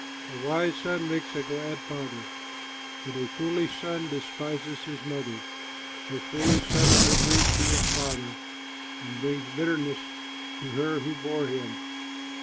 A wise son makes a glad father, But a foolish son despises his mother. A foolish son is a grief to his father, And brings bitterness to her who bore him.